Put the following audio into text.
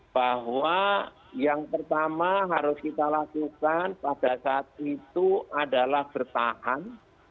bahwa yang pertama harus kita lakukan pada saat itu adalah bertahan